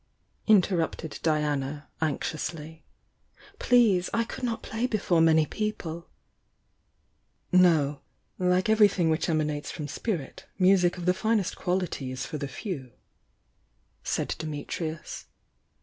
interrupted Diana, anxiously — "Please! I could not play before many people " "No, — like everything which emanates from Spirit, music of the finest quality is for the few," said Dimitrius.